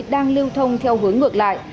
đang lưu thông theo hướng ngược lại